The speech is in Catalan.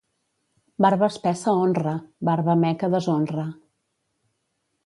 Barba espessa honra, barba meca deshonra.